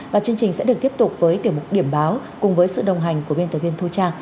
và chương trình sẽ được tiếp tục với tiểu mục điểm báo cùng với sự đồng hành của biên tập viên thu trang